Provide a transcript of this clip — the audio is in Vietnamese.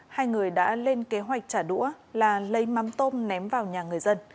hai người đã lên kế hoạch trả đũa là lấy mắm tôm ném vào nhóm